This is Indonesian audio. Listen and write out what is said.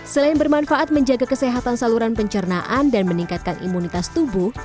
selain bermanfaat menjaga kesehatan saluran pencernaan dan meningkatkan imunitas tubuh